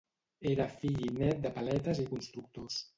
Era fill i nét de paletes i constructors.